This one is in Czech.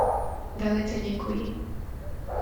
Velice děkuji.